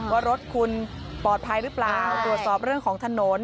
ว่ารถคุณปลอดภัยหรือเปล่าตรวจสอบเรื่องของถนน